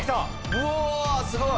うわすごい。